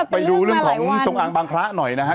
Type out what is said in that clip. ไปดูเรื่องของจงอางบางพระหน่อยนะฮะ